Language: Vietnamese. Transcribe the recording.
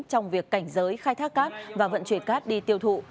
trong việc cảnh giới khai thác cát và vận chuyển cát đi tiêu thụ